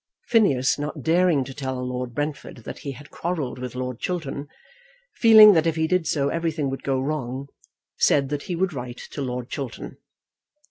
Phineas, not daring to tell Lord Brentford that he had quarrelled with Lord Chiltern, feeling that if he did so everything would go wrong, said that he would write to Lord Chiltern.